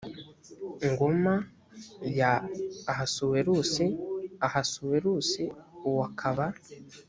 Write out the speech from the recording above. ngoma ya ahasuwerusi ahasuwerusi uwo aka ba